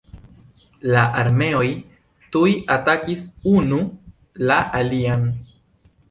La armeoj tuj atakis unu la alian.